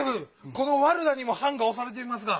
このワルダにもはんがおされていますが。